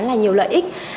khá là nhiều lợi ích